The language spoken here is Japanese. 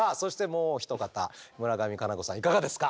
もう一方村上佳菜子さんいかがですか？